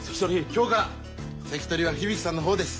今日から関取は響さんの方です。